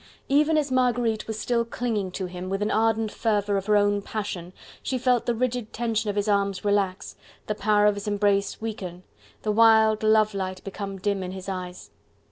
Even as Marguerite was still clinging to him, with the ardent fervour of her own passion, she felt the rigid tension of his arms relax, the power of his embrace weaken, the wild love light become dim in his eyes.